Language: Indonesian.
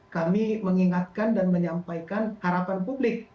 kami mengingatkan dan menyampaikan harapan publik